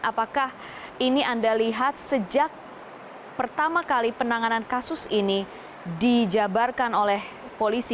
apakah ini anda lihat sejak pertama kali penanganan kasus ini dijabarkan oleh polisi